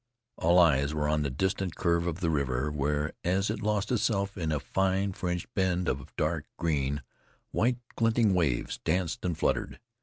All eyes were on the distant curve of the river where, as it lost itself in a fine fringed bend of dark green, white glinting waves danced and fluttered.